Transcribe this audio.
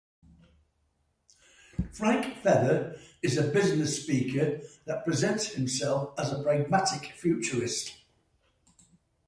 Frank Feather is a business speaker that presents himself as a pragmatic futurist.